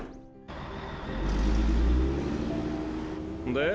で？